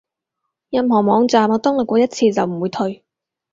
任何網站我登錄過一次就唔會退